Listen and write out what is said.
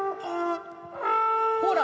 ほら！